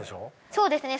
そうですね。